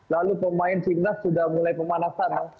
lalu pemain timnas sudah mulai pemanasan